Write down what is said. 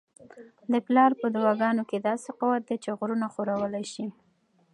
د پلار په دعاګانو کي داسې قوت دی چي غرونه ښورولی سي.